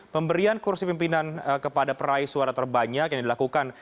pemberian kursi pimpinan kepada peraih suara terbanyak yang dilakukan